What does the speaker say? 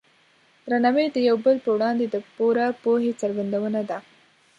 درناوی د یو بل په وړاندې د پوره پوهې څرګندونه ده.